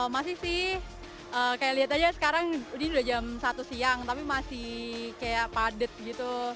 masih sih kayak lihat aja sekarang ini udah jam satu siang tapi masih kayak padat gitu